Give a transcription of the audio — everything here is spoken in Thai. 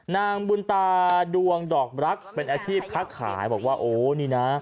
นางบุญตาดวงดอกรักเป็นอาชีพค้าขายบอกว่าโอ้นี่นะ